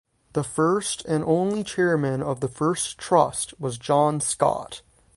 The first and only Chairman of the first Trust was John Scott.